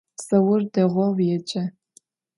Zaur değou yêce.